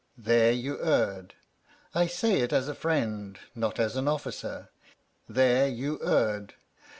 There you erred. I say it as a friend, not as an officer, there you erred.